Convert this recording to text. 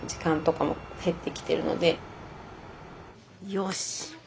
よし。